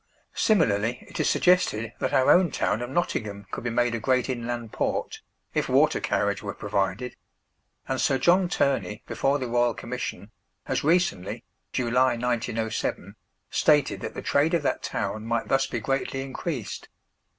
Similarly it is suggested that our own town of Nottingham could be made a great inland port, if water carriage were provided; and Sir John Turney, before the Royal Commission, has recently (July, 1907) stated that the trade of that town might thus be greatly increased.